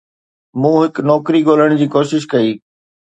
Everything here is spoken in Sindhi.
مون هڪ نوڪري ڳولڻ جي ڪوشش ڪئي.